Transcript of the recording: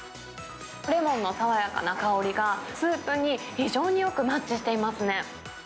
レモンの爽やかな香りが、スープに非常によくマッチしていますね。